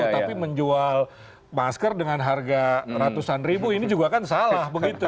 tapi menjual masker dengan harga ratusan ribu ini juga kan salah begitu